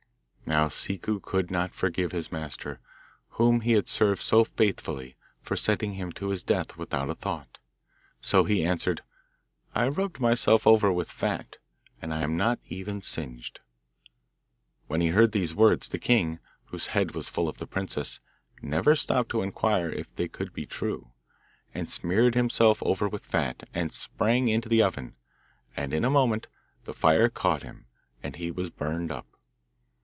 Now Ciccu could not forgive his master, whom he had served so faithfully, for sending him to his death without a thought, so he answered, 'I rubbed myself over with fat, and I am not even singed.' When he heard these words, the king, whose head was full of the princess, never stopped to inquire if they could be true, and smeared himself over with fat, and sprang into the oven. And in a moment the fire caught him, and he was burned up.